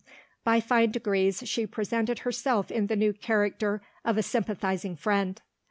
By fine degrees, she presented herself in the new character of a sympathising friend.